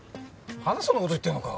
まだそんなこと言ってんのか。